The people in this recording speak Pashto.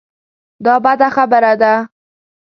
دا بده خبره ده.